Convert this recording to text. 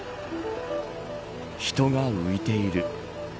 人が浮いている。